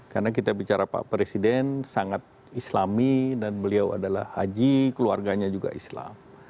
karena kita bicara pak presiden sangat islami dan beliau adalah haji keluarganya juga islam